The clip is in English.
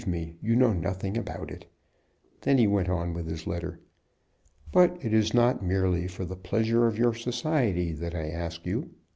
Believe me, you know nothing about it." Then he went on with his letter.) "But it is not merely for the pleasure of your society that I ask you.